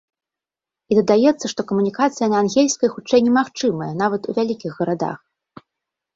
І дадаецца, што камунікацыя на ангельскай хутчэй немагчымая, нават у вялікіх гарадах.